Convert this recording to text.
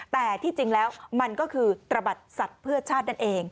แต่ที่จริงแล้วมันก็คือตระบัดสัตว์เพื่อชาตินั่นเอง